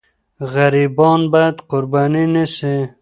غریبان باید قرباني نه سي.